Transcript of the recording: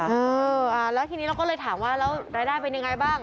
เอออ่าแล้วทีนี้เราก็เลยถามว่าแล้วรายได้เป็นยังไงบ้าง